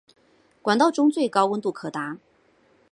管道中最高温度可达。